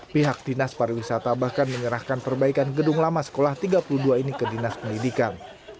pihak dinas pariwisata bahkan menyerahkan perbaikan gedung lama sekolah tiga puluh dua ini ke dinas pendidikan